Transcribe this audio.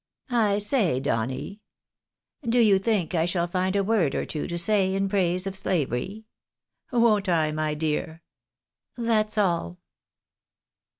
" I say, Donny — do you think I shall find a word or two to say in praise of slavery ? Won't I, my dear ? That's all."